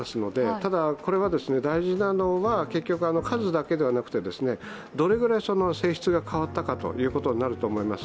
ただ、大事なのは数だけではなくてどれぐらい性質が変わったかということになると思います。